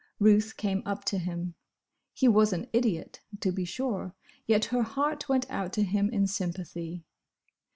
Ruth came up to him. He was an idiot, to be sure, yet her heart went out to him in sympathy.